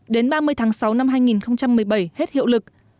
đến ba mươi tháng sáu năm hai nghìn một mươi bảy hết hiệu lực